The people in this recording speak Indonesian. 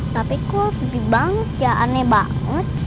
tapi kok sedih banget ya aneh banget